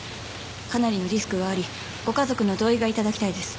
かなりのリスクがありご家族の同意が頂きたいです。